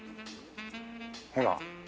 ほら。